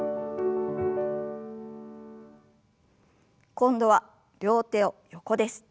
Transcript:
今度は両手を横です。